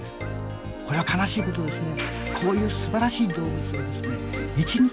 これは悲しいことですね。